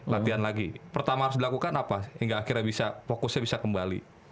latihan lagi pertama harus dilakukan apa hingga akhirnya bisa fokusnya bisa kembali